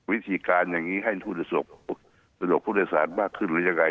วิธีการอย่างงี้ให้ส่วนส่วนส่วนส่วนส่วนส่วนผู้โดยสารมากขึ้นหรือยังไง